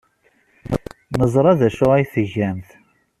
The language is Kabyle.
Neẓra d acu ay tgamt.